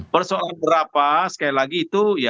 persoalan berapa sekali lagi itu ya